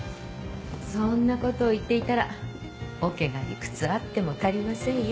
そんなことを言っていたらオケがいくつあっても足りませんよ。